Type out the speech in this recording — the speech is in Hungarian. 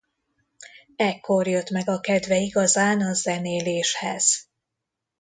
Ekkor jött meg a kedve igazán a zenéléshez.